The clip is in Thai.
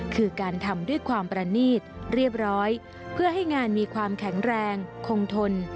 คือการทำด้วยความประนีตเรียบร้อยเพื่อให้งานมีความแข็งแรงคงทน